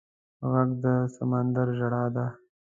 غږ د سمندر ژړا ده